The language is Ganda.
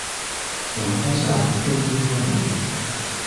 Omukazi afudde n’omwana mu lubuto.